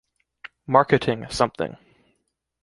Marketing something.